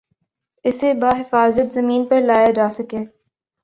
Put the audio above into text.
اسے بحفاظت زمین پر لایا جاسکے